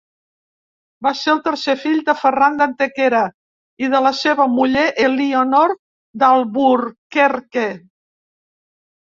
Va ser el tercer fill de Ferran d'Antequera i de la seva muller Elionor d'Alburquerque.